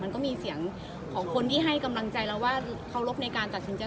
มันก็มีเสียงของคนที่ให้กำลังใจเราว่าเคารพในการตัดสินใจ